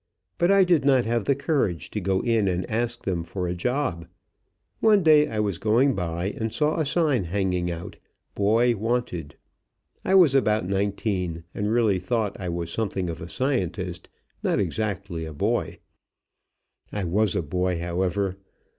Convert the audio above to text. But I did not have the courage to go in and ask them for a job. One day I was going by and saw a sign hanging out, "Boy Wanted." I was about nineteen, and really thought I was something of a scientist, not exactly a boy. I was a boy, however.